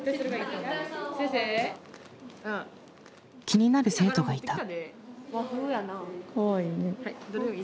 気になる生徒がいた。